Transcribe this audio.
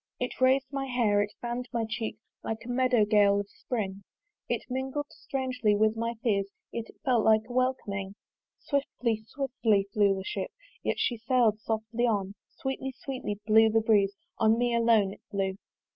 It rais'd my hair, it fann'd my cheek, Like a meadow gale of spring It mingled strangely with my fears, Yet it felt like a welcoming. Swiftly, swiftly flew the ship, Yet she sail'd softly too: Sweetly, sweetly blew the breeze On me alone it blew.